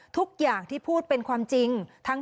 ทุกอย่างที่พูดเป็นความจริง